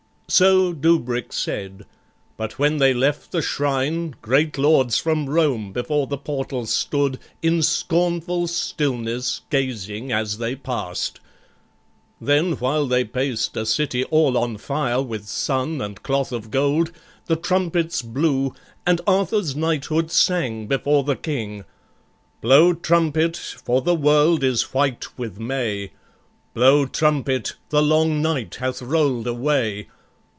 So Dubric said; but when they left the shrine Great Lords from Rome before the portal stood, In scornful stillness gazing as they past; Then while they paced a city all on fire With sun and cloth of gold, the trumpets blew, And Arthur's knighthood sang before the King: "Blow trumpet, for the world is white with May; Blow trumpet, the long night hath roll'd away!